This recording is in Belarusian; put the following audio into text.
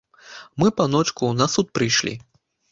Мы, паночку, на суд прыйшлі.